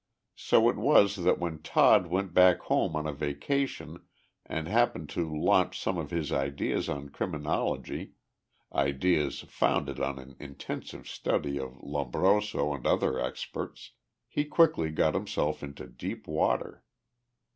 So it was that when Todd went back home on a vacation and happened to launch some of his ideas on criminology ideas founded on an intensive study of Lombroso and other experts he quickly got himself into deep water.